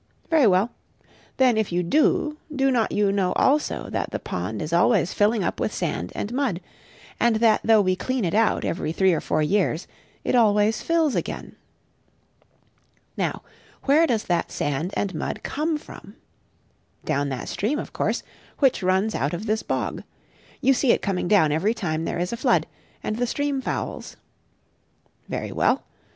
Very well. Then if you do, do not you know also that the pond is always filling up with sand and mud; and that though we clean it out every three or four years, it always fills again? Now where does that sand and mud come from? Down that stream, of course, which runs out of this bog. You see it coming down every time there is a flood, and the stream fouls. Very well.